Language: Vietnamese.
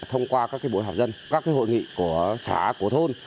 thông qua các bối hợp dân các hội nghị của xã của thôn